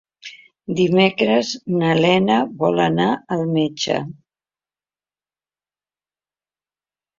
Dimecres na Lena vol anar al metge.